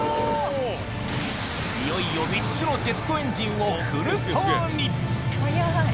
いよいよ３つのジェットエンジンを速い。